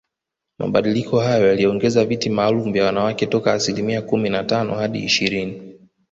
Mabadiliko hayo yaliongeza viti maalum vya wanawake toka asilimia kumi na tano hadi ishirini